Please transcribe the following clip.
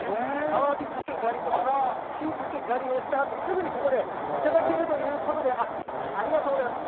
アワビタケ狩りとかシイタケ狩りをしたあとに、すぐにここで頂けるということで、ありがとうございます。